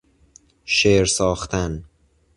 شعر ساختن